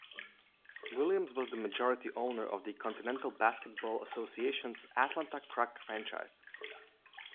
Williams was the majority owner of the Continental Basketball Association's Atlanta Krunk franchise.